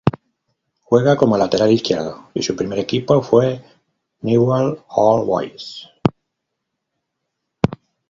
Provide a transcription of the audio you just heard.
Juega como lateral izquierdo y su primer equipo fue Newell's Old Boys.